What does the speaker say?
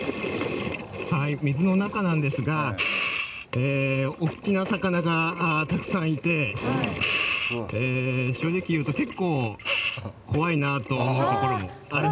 水の中なんですが大きな魚がたくさんいて正直言うと結構怖いなと思うところもあります。